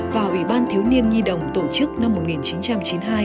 và ủy ban thiếu niên nhi đồng tổ chức năm một nghìn chín trăm chín mươi hai